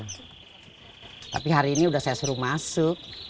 tapi hari ini sudah saya suruh masuk